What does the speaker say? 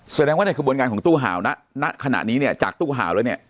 สัญญาณว่าในคุณบริการของตู้ห่าวณขนาดนี้เนี่ยจากตู้ห่าวแล้วเนี่ย